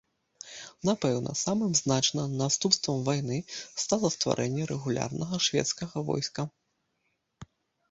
Напэўна, самым значным наступствам вайны стала стварэнне рэгулярнага шведскага войска.